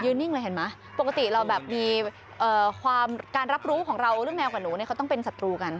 ยืนนิ่งเลยเห็นมะปกติเราการรับรู้ของเรารึเป็นแมวกับหนูเนี่ยต้องเป็นสัตว์ตัวกัน